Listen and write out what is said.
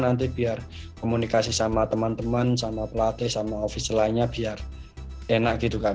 nanti biar komunikasi sama temen temen sama pelatih sama office lainnya biar enak gitu kak